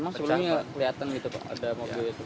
emang sebelumnya kelihatan gitu kok ada mobil itu